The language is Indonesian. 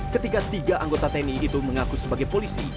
ketika tiga anggota tni itu mengaku sebagai polisi